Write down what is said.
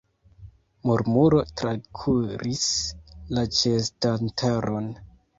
Murmuro trakuris la ĉeestantaron.